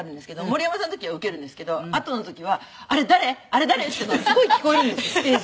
森山さんの時はウケるんですけどあとの時は「あれ誰？あれ誰？」っていうのがすごい聞こえるんですよ